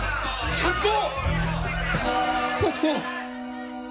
幸子。